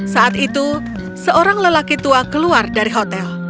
saat itu seorang lelaki tua keluar dari hotel